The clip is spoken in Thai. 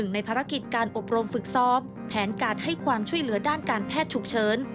ในภารกิจการอบรมฝึกซ้อมแผนการให้ความช่วยเหลือด้านการแพทย์ฉุกเฉิน